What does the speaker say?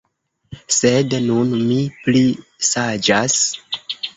Sed nun mi pli saĝas.